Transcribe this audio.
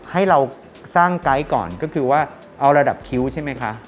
ให้เราสร้างไกด์ก่อนก็คือว่าเอาระดับคิ้วใช่ไหมคะ